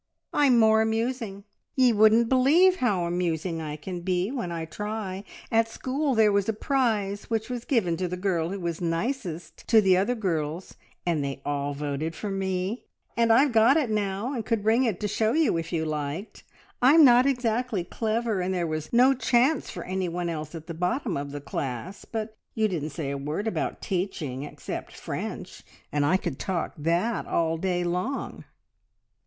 "I'm more amusing! Ye wouldn't believe how amusing I can be when I try! At school there was a prize which was given to the girl who was nicest to the other girls, and they all voted for me, and I've got it now and could bring it to show you if you liked. I'm not exactly clever, and there was no chance for anyone else at the bottom of the class, but you didn't say a word about teaching, except French, and I could talk that all day long!"